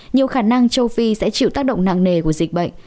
nhiều khả năng châu phi sẽ chịu tác động nặng nề của dịch bệnh